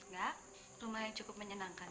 enggak rumah yang cukup menyenangkan